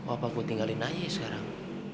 apa aku tinggalin aja sekarang